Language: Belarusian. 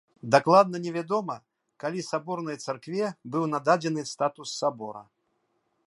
Дакладна невядома, калі саборнай царкве быў нададзены статус сабора.